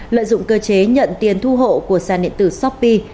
lợi dụng cơ chế nhận tiền thu hộ của sàn điện tử shopee